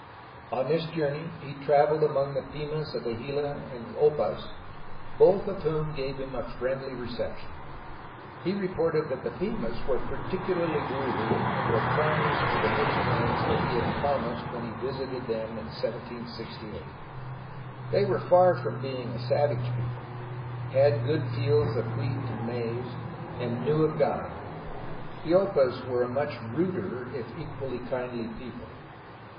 On this journey he traveled among the Pimas of the Gila and the Opas, both of whom gave him a friendly reception. He re ported that the Pimas were particularly worthy and were clamorous for the missionaries that he had promised when he visited them in 1768. They were far from being a savage people, had good fields of wheat and maize, and knew of God. The Opas were a much ruder, if equally kindly people.